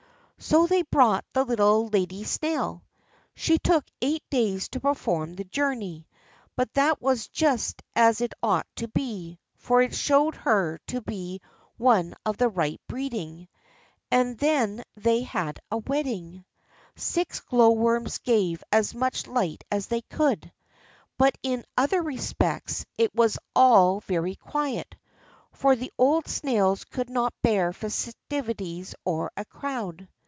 So they brought the little lady snail. She took eight days to perform the journey; but that was just as it ought to be, for it showed her to be one of the right breeding. And then they had a wedding. Six glowworms gave as much light as they could; but in other respects it was all very quiet; for the old snails could not bear festivities or a crowd.